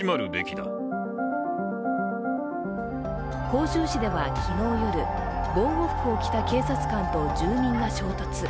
広州市では昨日夜、防護服を着た警察官と住民が衝突。